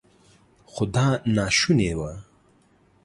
خو دا ناشونې وه.